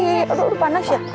aduh panas ya